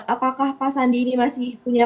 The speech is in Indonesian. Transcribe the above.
apakah pak sandi ini masih punya